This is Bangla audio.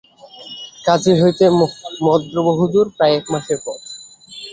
কাঞ্চী হইতে মদ্র বহুদূর, প্রায় এক মাসের পথ।